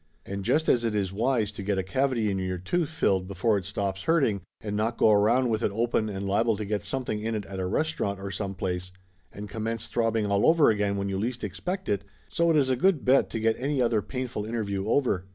And just as it is wise to get a cavity in your tooth rilled before it stops hurting, and not go around with it open and liable to get something in it at a restaurant or some place and commence throbbing all over again when you least expect it, so it is a good bet to get any other painful interview over.